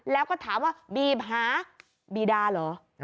แล้วก็ถามว่าบีบหาบีดาเหรอ